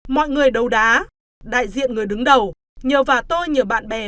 mọi người đấu đá đại diện người đứng đầu nhờ vào tôi nhờ bạn bè